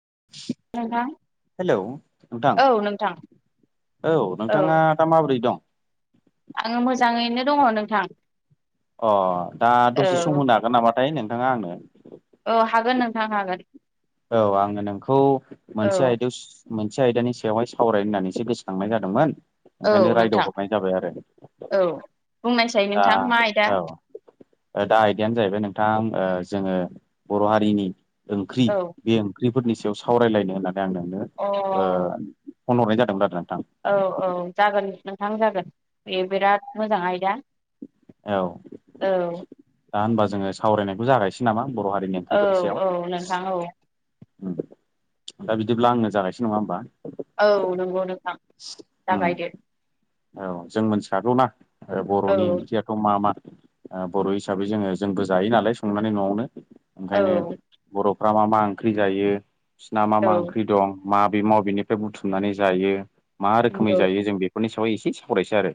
[inaudible] Hello नोंथां औ नोंथां औ नोंथाङा दा माबोरै दं। आङो मोजाङैनो दङ' नोंथां। अ दा दसे सम औ होनो हागोन नामाथाय नोंथाङा आंनो [unintelligible] अ हागोन। औ आङो नोंखौ औ मोनसे आयदस मोनसे आयदानि सायावहाय सावरायनानैसो गोसोखांनाय जादोंमोन। औ ओंखायनो नोंथां रायदावहरनाय जाबाय आरो औ बुंनायसै दा नोंथां मा आयदा औ दा आयदायानो जाहैबाय नोंथां जोङो बर' हारिनि ओंख्रि औ बे ओंख्रिफोरनि सायाव सावरायलायनो होननानै आं नोंनो अ ओ फनहरनाय जादोंमोन आरोना नोंथां। औ औ जागोन नोंथां जागोन बे बिराद मोजां आयदा औ औ दा होनबा जोङो सावरायनायखौ जागायसै नामा? बर' हारिनि औ ओंख्रिफोरनि औ सायाव नोंथां औ उम दा बिदिब्ला आङो जागायसै नङा होमबा औ नंगौ नोंथां। उम जागायदो औ जों मोनथिखागौना ओ औ बर'नि ओंख्रियाथ' मा मा ओ बर' हिसाबै जोङो जोंबो जायो नालाय संनानै न'आवनो ओंखायनो औ बर'फ्रा मा मा ओंख्रि जायो बिसिना मा औ मा ओंख्रि दं माबे मबेनिफ्राय बुथुमनानै जायो मा रोखोमै नंगौ जायो जों बेफोरनि सायाव एसे सावरायसै आरो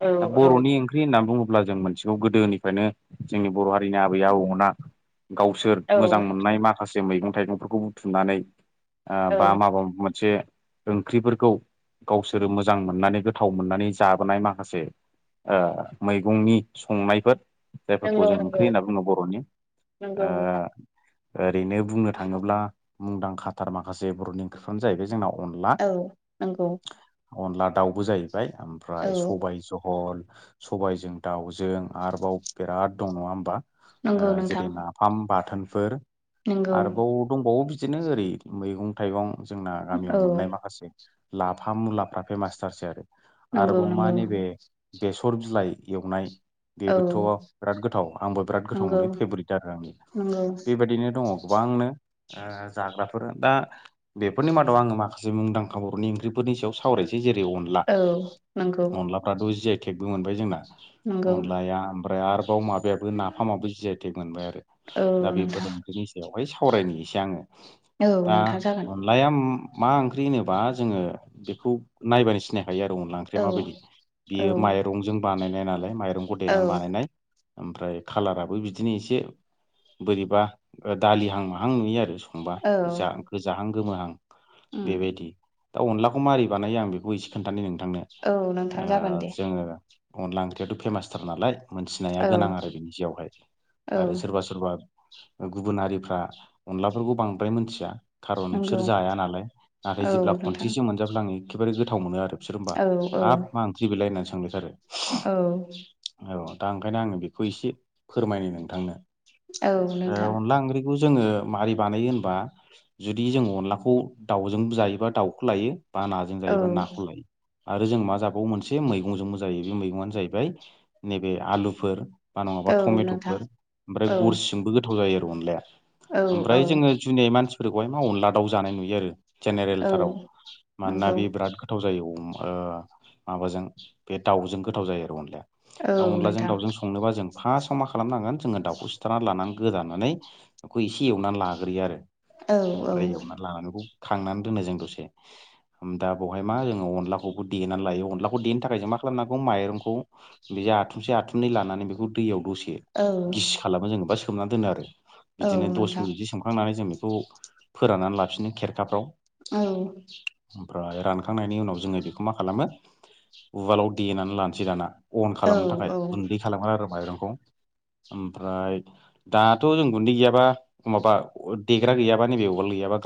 औ औ बर'नि ओंख्रि होनना बुङो ब्ला जों मोनथिगौ गोदोनिफ्रायनो जोंनि बर' हारिनि आबै आबौना गावसोर औ मोजां मोननाय माखासे मैगं थाइगंफोरखौ बुथुमनानै ओ बा औ माबा मोन [unintelligible] से ओंख्रिफोरखौ गावसोरो मोजां मोननानै गोथ थाव मोननानै जाबोनाय माखासे ओ मैगंनि संनायफोर जायफोरखौ नंगौ जों नंगौ ओंख्रि होनना बुङो बर'नि नंगौ ओ नोंथां ओरैनो बुंनो थाङोब्ला मुंदांखाथार माखासे बर'नि ओंख्रिफ्रानो जाहैबाय जोंनाव औ नोंगौ अनला दाउबो जाहैबाय ओमफ्राय सबायाइ जहल सबायजों दाउजों आरोबाव बिराद दं नङा होमबा ओ नंगौ नोंथां जेरै नाफाम बाथोनफोर नंगौ आरोबाव दंबावो बि दिनो ओरै मैगं थाइगं जोंना औ गामियाव मोननाय माखासे लाफा मुलाफ्रा फेमासथारसै आरो नंगौ आरोबाव मा नंगौ नैबे बेसर बिलाइ एवनाय औ बेबोथ' बिराद गोथाव आंबो बिराद गोथाव नंगौ मोनो फेभरेट आरो आंनि नंगौ बेबायदिनो दङ गोबांनो ओ जाग्राफोर दा बेफोरनि मादाव आङो माखासे मुंदांखा बर'नि ओंख्रिफोरनि सायाव सावरायसै जेरै अनला औ नोंगौ अनलाफ्राथ' जि आइ टेकबो मोनबाय जोंना अनलाया ओमफ्राय आरोबाव माबायाबो नाफामाबो जि एटेक मोनबाय आरो औ दा बेफोर नोंथां ओख्रिनि सायावहाय सावरायनि एसे आङो औ दा नोंथां जागोन अनलाम मा ओंख्रि होनोबा जोङो बेखौ नायबानो सिनाय खायो आरो अनला ओंख्रिया औ माबायदि औ बियो माइरंजों बानायनाय नालाय माइरंखौ औ देनानै बानायनाय ओमफ्राय खाालाराबो बिदिनो एसे बोरैबा दालिहां माहां नुयो आरो संबा औ जा गोजाहां गोमोहां उम बेबायदि दा अनलाखौ मोरै बानायो आं बेखौ एसे खोन्थानो नोंथांनो औ नोंथां ओ जागोन दे जोङो अनला ओंख्रियाथ' फेमासथार नालाय मोनथिनाया औ गोनां आरो बिनिसायावहाय औ आरो सोरबा सोरबा गुबुनारिफ्रा अनलाफोरखौ बांद्राय मोनथिया खारन नंगौ बिसोर जाया नालाय नाथाय औ जेब्ला नोंथां खनसेसो मोनजाफ्लाङो एखेबारे गोथाव मोनो आरो बिसोर होमबा औ औ हाब मा ओंख्रि बेलाय होननानै सोंलथारो औ औ दा ओंखायनो आङो बेखौ एसे फोरमायनो नोंथांनो औ नोंथां बेखौ जोङो मारै बानायो होनबा जुदि जों अनलाखौ दाउजों जायोबा दाउखौ लायो। बा नाजों औ जायोबा नाखौ लायो आरो जों मा जाबावो मोनसे मैगंजोंबोो जायो बे मैगंआनो जाहैबाय नैबे आलुफोर बा नङाबा औ नोंथां टमेट'फोर ओमफ्राय औ गरसिजोंबो गोथाव जायो आरो अनलाया औ औ ओमफ्राय जोङो जुनि मानसिफोरखौहाय मावा अनला दाउ जानाय नुयो आरो जेनेरेल औ थाराव मानोना नंगौ बिबराद थाव जायो माबाजों बे दाउजों गोथाव जायो आरो अनलाया औ दा अनलाजों नोंथां दाउजों संनोबा जों फार्स्टआव मा खालामनांगोन जोङो दाउखौ सिथारना लानांगोन गोदानानै बेखौ एसे एवनानै लाग्रोयो आरो औ औ ओमफ्राय एवनानै लांगौ खांनानै दोनो जों दसे दा बहाय मा जो अलाखौबो देनानै लायो अनलाखौ देनो थाखाय जों मा खालामनांगौ माइरंखौ बे आसे बाथुनै लानानै बेखौ दैयाव दसे औ गिसि खालामो जोङो बा सोमनानै दोनो आरो औ बिदिनो दस नोंथां मिनिटजों सोमखांनानै जोङो बेखौ फोराननानै लाफिनो खेरखाफ्राव औ ओमफ्राय रानखांनायनि उनाव जोङो बेखौ मा खालामो उवालाव देनानै लानोसै दाना अन औ खालामनो थाखाय औ गुन्दै खालामगोन आरो माइरंखौ ओमफ्राय दाथ' जों गुन्दै गैयाबा माबा देग्रा गैयाबा नैबे उवाल गैयाबा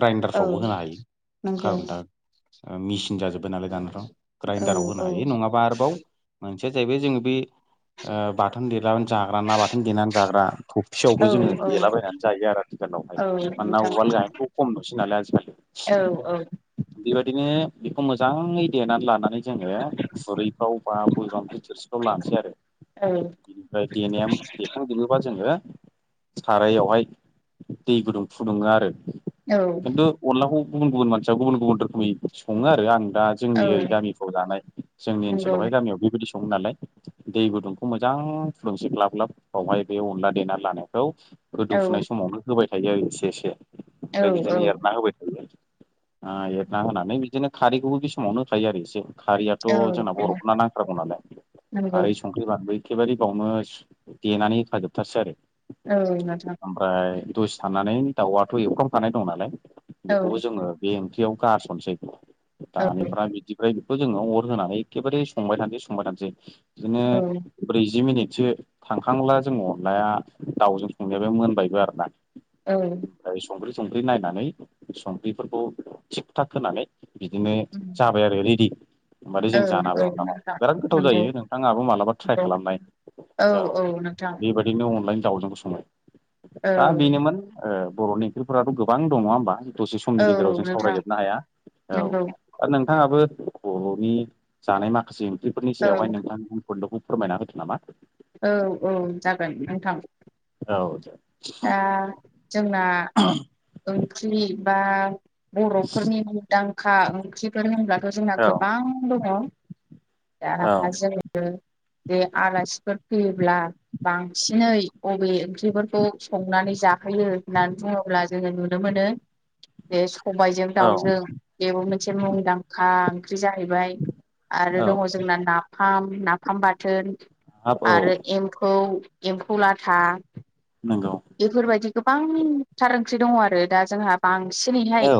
औ ग्राइन्डारफ्रावबो होनो हायो नंगौ खारन दा ओ मेसिन जाजोब्बाय नालाय दानफ्राव औ ग्राइडाराव होनो औ हायो नङाबा आरोबाव जाहैबाय जों बे ओ बाथोन देदान जाग्रा ना बाथोन देनानै जाग्रा औ थफियावबो जोङो देलाबायनानै जायो आरो औ आथिखालावहाय नोंथां मानाब ख खम नसिना औ औ। बिदिनो बेखौ मोजाङै देनानै लानानै मे जोङो खुरैफ्राव बा बयबाफ्राय थोरसिफ्राव लानोसै आरो औ बेनिफ्राय देनाया देखांजोबोबा जोङो सारायावहाय दै गुदुं फुदुङो आरो औ खिन्थु अनलाखौ गुबुन गुबुन मानसिया गुबुन गुबुन रोखोमै सङो आरो आं दा औ जोंनि ओरै गामिफ्र जानाय जोंनि नोंथां ओनसोलावहाय गामियाव बेबायदि सङो नालाय दै गुदुंखौ मोजां फुदुंसे ग्लाब ग्लाब बावहाय बे अनला देना लानायखौ औ उदौफुनाय समावनो होबाय थायो आरो एसे एसे औ नोंथां ओमफ्राय बिदिनो एरना होबाय थायो आरो एरना होनानै बिदिनो खारैखौबो बे समावनो होखायो आरो एसे खारैयाथ' औ औ जोंना नोंथां बर'फोरना नांथारगौ नालाय नंगौ खारै संख्रि बानलुै एखेबारे गावनो देनानै होफाजोबथारसै आरो औ नोंथां। ओमफ्राय दसे थाननानै दाउआथ' एवखामखानाय दं नालाय बेखौबो जोङो बे ओंख्रियाव गारसननोसै दानिफ्राय बिदिफ्राय बेखौ जोङो अर होनानै एखेबारे संबाय थानोसै संबाय थानोसै बिदिनो ब्रैजि मिनिट बिसे थांखांला जोंङ अनलाया दाउजों संनायबाय मोनबायबो आरो ना औ। संख्रि नायनानै संख्रिफोरखौ थिग थाग होनानै बिदिनो जाबाय आरो रेडि होनबाथ जों जानांगौामा बिराद गोथाव जायो नोंथाङाबो मालाबा ट्राइ खालामनाय औ बेबायदिनो अनलाइन दाउजों गसङो दा बेनोमोन बर'नि ओंख्रिफोराथ' गोबां दंङा होमबा दसे समनि गेजेराव जों सावरायजोबनो हाया औ दा नोंथां नाबो बर'नि जानाय माखासे ओंख्रिफोरनि औ सायावहाय नोंथां [unintelligible] फोरमायना होदो नामा? औ औ जागोन नोंथां। औ दे दा जोंना ओंख्रि बा बर'फोरनि मुंदांखा ओंख्रिफोर होनब्लाथ' जोंना औ गोबां दङ औ दा जोङो जे आलासिफोर फैयोब्ला बांसिनै अबे ओंख्रिफोरखौ संनानै जाहोयो होननानै बुङोब्ला जोङो नुनो मोनो जे सबायजों औ दाउजों बेबो मोनसे मुंदांखा ओं ख्रि जाहैबाय आरो औ दङ जोंना नाफाम नाफाम बाथोन। हाब औ आरो एम्फौ एम्फौ लाथा नंगौ बेफोर बायदि गोबांथार ओंख्रि दङ आरो दा जोंहा बांसिनै हाय औ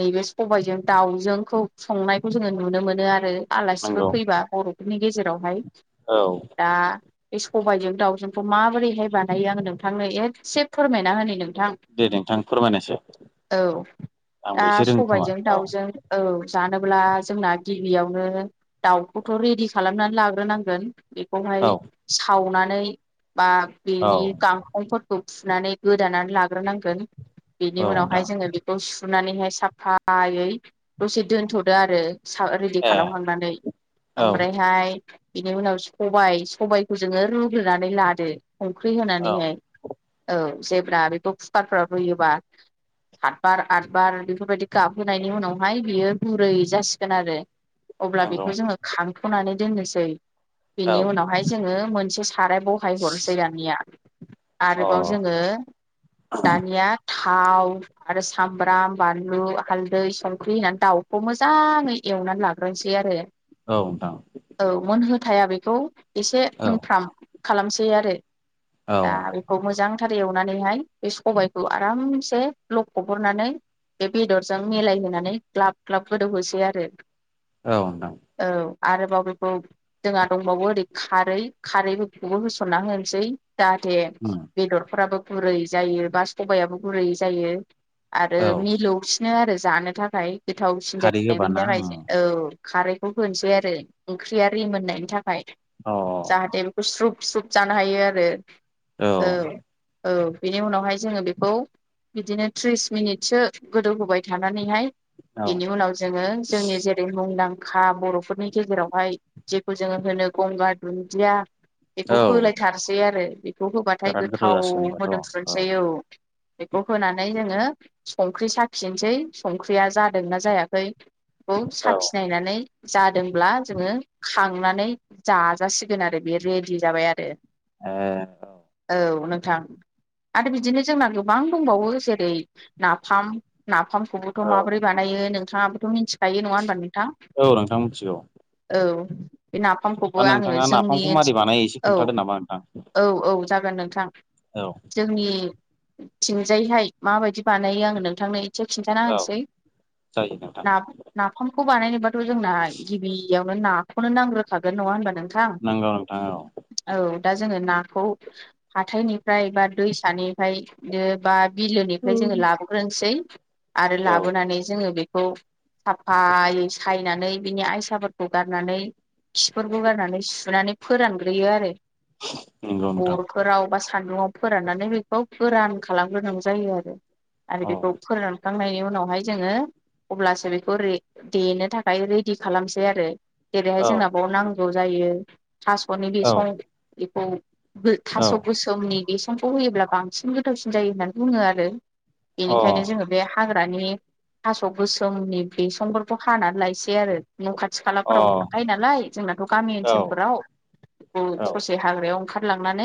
नैबे सबायजों दाउजोंखौ संनायखौ जोङो नुनो मोनो आरो आलासिफोर नंगौ फैबा बर नि गेजेराव हाय औ दा स सबायजों दाउजोंखौ माबोरै हाय बानायो आङो नोंथांनो एसे फोरमायना होनो नों थां दे नोंथां फोरमायनायसाय औ आंबो दा एसे रोङो खोमा सबायजों औ दाउजों औ। जानोब्ला जोंना गिबियावनो दाउखौथ रेडि खालामनानै लाग्रोनांगोन। बेखौ औ हाय सावनानै बा औ बेनि गांखंफोर फुनानै गोदानानै लाग्रोनांगोन बेनि औ उनावहाय नोंथां जोङो बेखौ सु सुनानै हाय साफायै दसे दोनथ'दो आरो। सा रेडि ए खालाम खांनानै औ ओमफ्राय हाय बिनि उनाव सबाय सबायखौ जोङो रुग्रोनानै लादो संख्रि औ होनानै हाय। औ जेब्ला बेखौ कुकारफोराव रुयोबा सातबार आठबार बेफोर बायदि गाब होनायनि उनाव हाय बियो गुरै जासिगोन आरो। अब्ला नंगौ बेखौ जोङो खांथनानै दोननोसै। औ बिनि उनाव हाय जोङो मोनसे सा राय बहाय हरसै दानिया। अ औ आरोबाव जोङो दानिया थाव आरो सामब्राम, बानलु, हालदै, संख्रि होनानै दाउखौ मोजाङै ए वनानै लाग्रोनोसै आरो। नोंथां औ मोनहोथाया बेखौ एसे औ मोनफ्राम खालामसै आरो। औ। बेखौ मोजांथार एवनानै हाय बे सबायखौ आरामसे लखब हरनानै बे बेदरजों मिलाय होनानै ग्लाब ग्लाब गोदौ होसै आरो। औ नोंथां। औ आरोबाव बेखौ जोंहा दंबावो ओरै खारै खारैफोरखौबो होसनना होनोसै। जाहाथे उम बेदरफोराबो गुरै जायो बा सबायाबो गुरै जायो। आरो औ मिलौसिनो आरो जानो थाखाय गोथावसिन खारै जायो बेनि होबाना थाखाय अ औ। खारैखौ होनोसै आरो ओंख्रिया रिमोननायनि थाखाय औ जाहाथे बेखौ स्रुप स्रुप जानो हायो आरो। औ। औ बेनि उनाव हाय जोङो बेखौ बिदिनो थ्रिस मिनिटसो गोदौ होबाय थानानै हाय औ बेनि उनाव जोङो जोंनि जेरै मुंदां खा बर'फोरनि गेजेराव हाय जेखौ जोङो होनो गंगार दुन्दिया, बेखौ औ होलायथारसै आरो बेखौ होबाथाय बिराद गोथाव जासिगोन होनबाथ' मोदोमस्रोनसै औ। बेखौ होनानै जोङो संख्रि साखिनसै संख्रिया जादोंना जायाखै। खौ औ साखिनायनानै जादोंब्ला जोङो खा खांनानै जाजासिगोन आरो बे रेडि जाबाय आरो। ओ औ। औ नोंथां। आरो बिदिनो जोंना गोबां दंबावो जेरै नाफाम ना फामखौबोथ औ माबोरै बानायो नोंथाङाबोथ मिथि खायो नङा होनबा? औ मिथिगौ नोंथां औ। बे दा नाफामखौबो आङो नोंथाङा जोंनि नाफामखौ मारै ओनसो बानायो एसे औ खोन्थादो नामा नोंथां औ औ। जागोन नोंथां। औ जोंनि थिंजायहाय माबायदि बानायो आङो नोंथांनो एसे खिन्थाना औ होनोसै जायो नोंथां ना नाफामखौ बानायनोबाथ' जोंना गिबियाव नो नाखौनो नांग्रोखागोन नङा होनबा नों नंगौ नोंथां औ। जोङो नाखौ हाथायनिफ्राय बा दैसानिफ्रायनो बा बिलोनिफ्राय जोङो लाबोग्रोनसै आरो औ लाबोनानै जोङो बेखौ साफायै सायनानै बिनि आयसाफोरखौ गारनानै खिफोरखौ गारनानै सुनानै फोरानग्रोयो आरो। नंगौ नोंथां अरफोराव बा सान्दुंआव फोराननानै बेखौ गोरान खालामग्रोनाय जायो आरो। आरो औ बेखौ फोरानखांनायनि उनावहाय जोङो अब्लासो बेखौ रे देनो थाखाय रेडि खालामसै आरो। जेरैहाय औ जोंना बाव नांगौ जायो थास'नि औ बिसं बेखौ औ अ थास' गोसोमनि बेसंखौ होयोब्ला बांसिन गोथावसिन जायो होननानै बुङो आरो। बेनिखायनो जोङो बे हाग्रा हाग्रानि थास' गोसोमनि बिसंफोरखौ हानानै लायसै आरो न' खाथि खालाफोरावनो अ थाखायो नालाय जोंनाथ' गामि औ ओनसोलफोराव औ ससे हाग्रायाव ओंखारलांनानै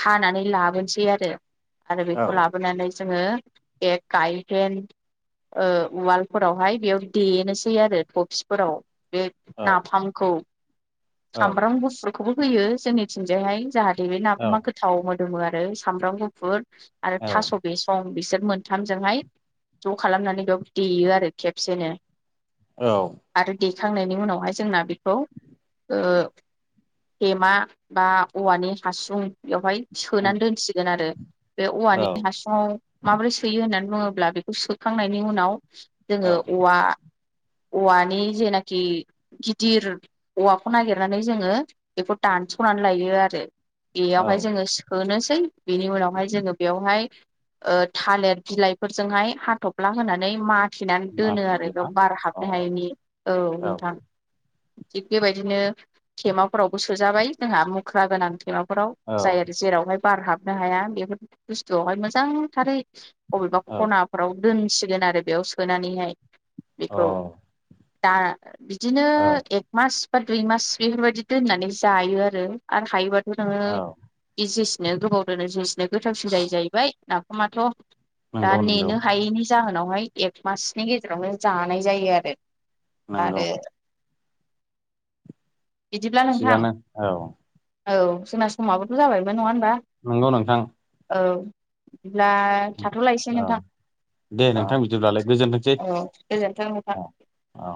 हानानै लाबोनोसै आरो आरो औ बेखौ लाबोनानै जोङो एक गायहेन। उवालफोरावहाय बेयाव देनोसै आरो थफिफोराव बे औ नाफामखौ औ सामब्राम गुफुरखौबो होयो जोंनिथिंजायहाय जाहाथे बे नाफामा गोथाव मोन दोमो आरो सामब्राम गुफुर आरो औ थास' बिसं बिसोर मोनथामजोंहाय ज' खालामनानै बेयाव देयो आरो खेबसेनो औ आरो देखांनायनि उनावहाय जोंना बेखौ ओ थेमा बा औवानि हासुं बेवहाय सोनानै दोनसिगोन आरो बे औवानि औ हासुुङाव माबोरै सोयो होननानै बुङोब्ला बेखौ सोखांनायनि उनाव जोङो औवा औवानि जेनाखि गिदिर औवाखौ नागिरनानै जोङो बेखौ दान स'नानै लायो आरो औ बेयावहाय जोङो सोनोसै बेनि उनावहाय जोङो बेवहाय ओ थालिर बिलाइफोरजोंहाय हाथफ्ला होनानै मा? थेनानै ना दोनो आरो फियोना बेयाव बार अ हाबनो हायैनि औ नोंथां थिग बेबायदिनो थेमाफोरावबो सोजाबाय जोंहा मुख्रा गोनां। थेमाफोराव औ जाय जेरावहाय बार हाबनो हाया बेफोर बुस्थुआवहाय मोजांथारै अबेबा औ खनाफोराव दोनसिगोन आरो बेयाव सोनानैहाय। अ बेखौ दा बिदिनो एक मास बा दुइ मास बेफोरबायदि दोननानै जायो आरो आरो हायोबाथ' नोङो औ बे जिसिनो गोबाव दोनो जिसिनो गोथावसिन जायो जाहैबाय। नाफामाथ' दा नंगौ नंगौ नेनो हायैनि जाहोनावहाय एक मासनि गेजेरावनो जानाय जायो आरो नंगौ। आरो बिदिब्ला नोंथां थिगानो औ औ जोंना समाबोथ' जाबायमोन नङा ओन नंगौ नोंथां। बिदिब्ला थाथ'लायसै औ नोंथां। दे औ नोंथां बिदिब्लालाय गोजोनथोंसै औ गोजोनथों नोंथां। औ औ